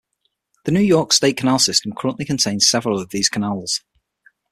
The New York State Canal System currently contains several of these canals.